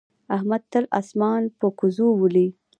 احمد تل اسمان په ګوزو ولي.